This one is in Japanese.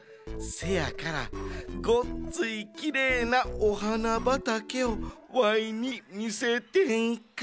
せやからごっついきれいなお花ばたけをワイにみせてんか？